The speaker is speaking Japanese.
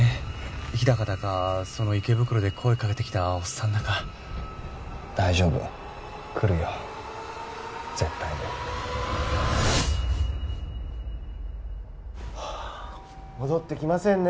日高だかその池袋で声かけてきたおっさんだか大丈夫来るよ絶対に戻ってきませんね